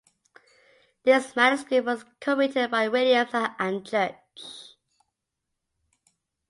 This manuscript was co-written by Williams and Judge.